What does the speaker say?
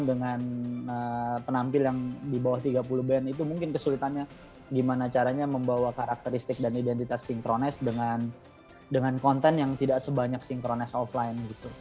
dengan penampil yang di bawah tiga puluh band itu mungkin kesulitannya gimana caranya membawa karakteristik dan identitas synchronize dengan konten yang tidak sebanyak synchronize offline gitu